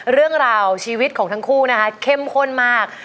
เรื่องราวชีวิตของทั้งคู่นะคะเข้มข้นมาก